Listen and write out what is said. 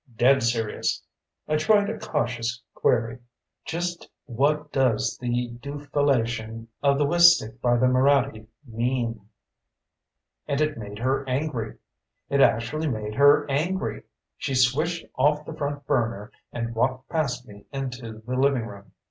Dead serious. I tried a cautious query: "Just what does the dufellation of the Wistick by the Moraddy mean?" And it made her angry. It actually made her angry! She switched off the front burner and walked past me into the living room.